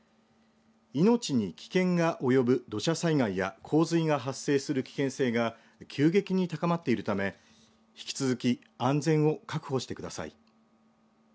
命に危険が及ぶ土砂災害や洪水が発生する危険性が急激に高まっているため引き続き安全を確保してください。